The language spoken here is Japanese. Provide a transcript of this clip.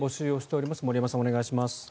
お願いします。